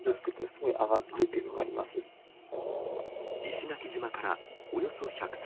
石垣島からおよそ１３０キロ